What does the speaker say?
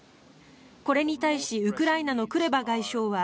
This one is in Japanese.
これに対しウクライナのクレバ外相は